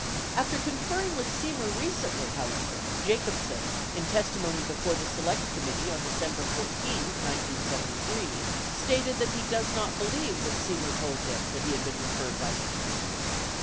After conferring with Semer recently, however, Jacobsen, in testimony before the Select Committee on December 11, 1973, stated that he does not believe that Semer told him that he had been referred by Mitchell.